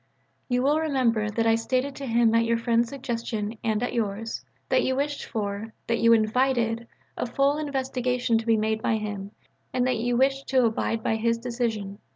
You will remember that I stated to him at your friend's suggestion and at yours, that you wished for, that you invited, a full investigation to be made by him and that you wished to abide by his decision.